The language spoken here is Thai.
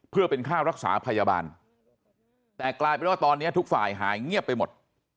เพื่อเป็นค่ารักษาพยาบาลแต่กลายเป็นว่าตอนนี้ทุกฝ่ายหายเงียบไปหมด